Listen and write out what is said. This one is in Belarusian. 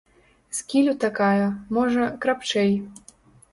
З кілю такая, можа, крапчэй.